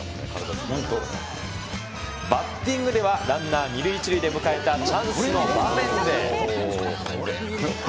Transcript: バッティングでは、ランナー２塁１塁で迎えたチャンスの場面で。